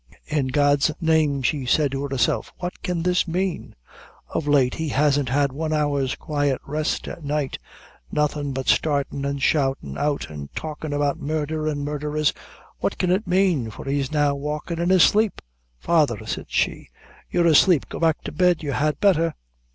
"In God's name," she said to herself, "what can this mean? Of late he hasn't had one hour's quiet rest at night; nothin' but startin' and shoutin' out, an' talkin' about murdher an' murdherers! What can it mane? for he's now walkin' in his sleep? Father," said she, "you're asleep; go back to bed, you had betther."